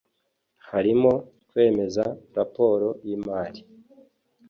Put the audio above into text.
harimo kwemeza raporo y’imari